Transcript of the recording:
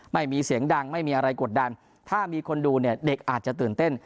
ไม่มีเสียงดังไม่มีอะไรกดดันถ้ามีคนดูเนี่ยเด็กอาจจะตื่นเต้น